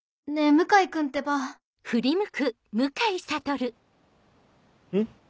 向井君ってばん？